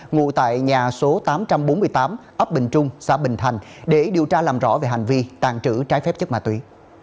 ngụ tại nhà số tám trăm bốn mươi tám ấp bình trung xã bình thành để điều tra làm rõ về hành vi tàn trữ trái phép chất ma túy